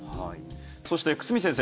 そして、久住先生